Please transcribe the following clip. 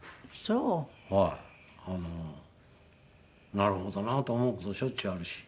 なるほどなと思う事しょっちゅうあるし。